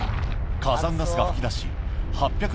火山ガスが噴き出し８００